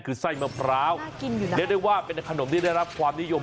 คือไส้มะพร้าวกินอยู่แล้วเรียกได้ว่าเป็นขนมที่ได้รับความนิยม